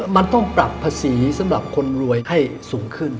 มันต้องปรับภาษีสำหรับคนรวยให้สูงขึ้น